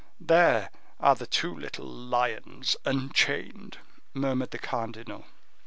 There are the two little lions unchained," murmured the cardinal.